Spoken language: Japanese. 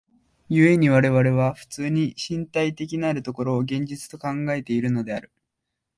故に我々は普通に身体的なる所を現実と考えているのである。